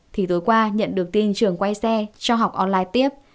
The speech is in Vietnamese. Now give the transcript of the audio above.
thì tối qua nhận được tin trường quay xe cho học online tiếp